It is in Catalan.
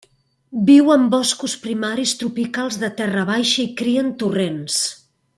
Viu en boscos primaris tropicals de terra baixa i cria en torrents.